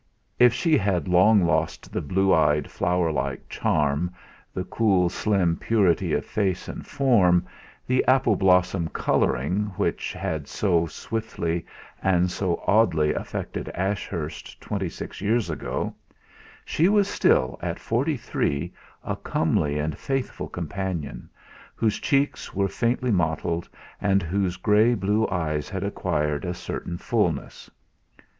If she had long lost the blue eyed, flower like charm, the cool slim purity of face and form, the apple blossom colouring, which had so swiftly and so oddly affected Ashurst twenty six years ago, she was still at forty three a comely and faithful companion, whose cheeks were faintly mottled, and whose grey blue eyes had acquired a certain fullness.